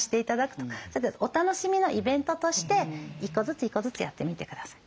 お楽しみのイベントとして１個ずつ１個ずつやってみて下さい。